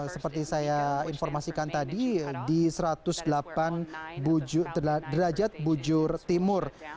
seperti saya informasikan tadi di satu ratus delapan derajat bujur timur